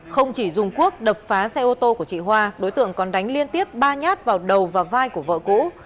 không chỉ dùng quốc đập phá xe ô tô của chị hoa đối tượng còn đánh liên tiếp ba nhát vào đầu và vai của vợ cũ